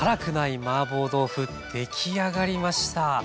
出来上がりました！